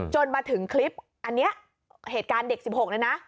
จนมาถึงคลิปอันนี้เหตุการณ์เด็ก๑๖เนี่ยนะ